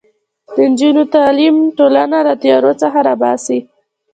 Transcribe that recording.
د نجونو تعلیم ټولنه له تیارو څخه راباسي.